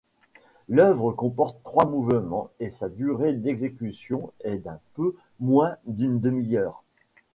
L'œuvre comporte trois mouvements et sa durée d'exécution est d'un peu moins d'une demi-heure.